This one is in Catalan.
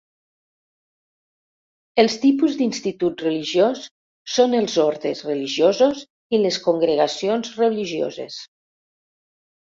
Els tipus d'Institut religiós són els ordes religiosos i les congregacions religioses.